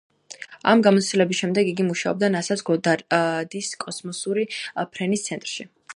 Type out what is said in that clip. ამ გამოცდილების შემდეგ, იგი მუშაობდა ნასას გოდარდის კოსმოსური ფრენის ცენტრში.